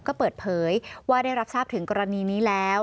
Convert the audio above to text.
ก็เปิดเผยว่าได้รับทราบถึงกรณีนี้แล้ว